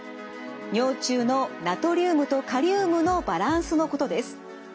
尿中のナトリウムとカリウムのバランスのことです。